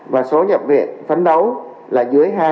và số nhập viện phấn đấu là dưới hai